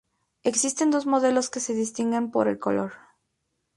Existen dos modelos que se distinguen por el color.